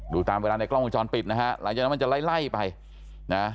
ตามเวลาในกล้องวงจรปิดนะฮะหลังจากนั้นมันจะไล่ไล่ไปนะ